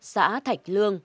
xã thạch lương